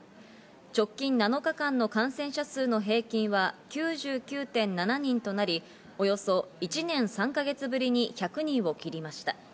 直近７日間の感染者数の平均は９９．７人となり、およそ１年３か月ぶりに１００人を切りました。